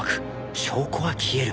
証拠は消える。